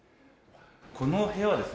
この部屋はですね